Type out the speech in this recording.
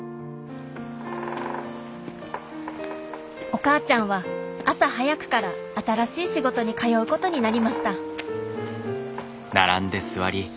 お母ちゃんは朝早くから新しい仕事に通うことになりました